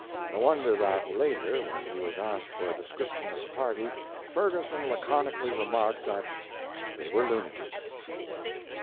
No wonder that, later, when he was asked for a description of the party, Ferguson laconically remarked that they were lunatics!